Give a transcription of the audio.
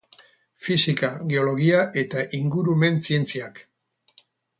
Fisika, Geologia eta Ingurumen Zientziak.